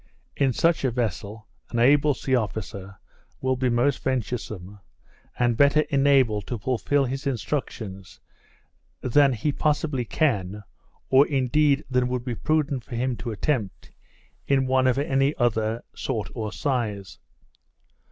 In such a vessel an able sea officer will be most venturesome, and better enabled to fulfil his instructions, than he possibly can (or indeed than would be prudent for him to attempt) in one of any other sort or size.